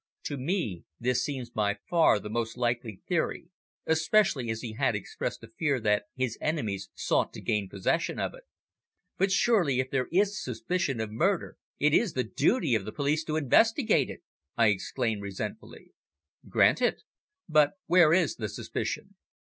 To me, this seems by far the most likely theory, especially as he had expressed a fear that his enemies sought to gain possession of it." "But surely, if there is suspicion of murder, it is the duty of the police to investigate it!" I exclaimed resentfully. "Granted. But where is the suspicion?